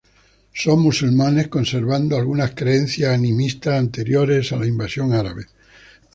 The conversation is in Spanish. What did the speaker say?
Son musulmanes, conservando algunas creencias animistas anteriores a la invasión árabe.